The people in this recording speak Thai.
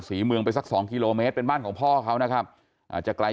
ศรีเมืองไปสักสองกิโลเมตรเป็นบ้านของพ่อเขานะครับอาจจะไกล